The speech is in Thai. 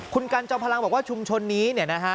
คุณกันจอมพลังบอกว่าชุมชนนี้